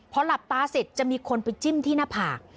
พอหลับตาเสร็จจะมีคนไปจิ้มที่หน้าผาก